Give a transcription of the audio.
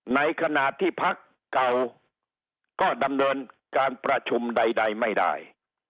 ในขณะที่พักเก่าก็ดำเนินการประชุมใดไม่ได้